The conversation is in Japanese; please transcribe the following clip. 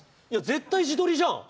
絶対自撮りじゃん。